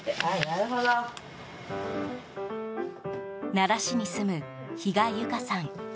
奈良市に住む比嘉由香さん。